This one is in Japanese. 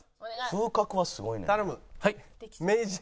風格はすごい。